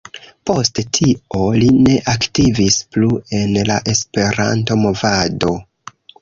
Poste tio, li ne aktivis plu en la Esperanto-movado.